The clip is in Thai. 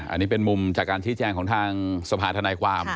อันนี้เป็นมุมจากการชี้แจงของทางสภาธนายความ